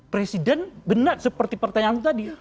presiden benar seperti pertanyaan tadi